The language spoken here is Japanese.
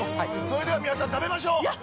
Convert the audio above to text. それでは皆さん食べましょう。